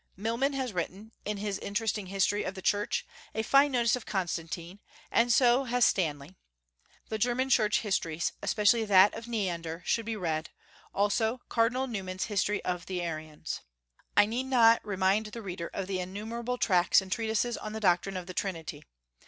Milman has written, in his interesting history of the Church, a fine notice of Constantine, and so has Stanley. The German Church histories, especially that of Neander, should be read; also, Cardinal Newman's History of the Arians. I need not remind the reader of the innumerable tracts and treatises on the doctrine of the Trinity.